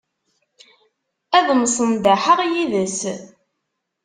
Ad msenḍaḥeɣ yid-s.